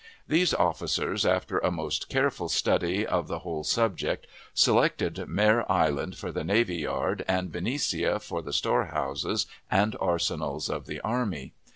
These officers, after a most careful study of the whole subject, selected Mare Island for the navy yard, and "Benicia" for the storehouses and arsenals of the army.